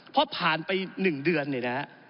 พอผ่านไป๑เดือนเนี่ยนะฮะ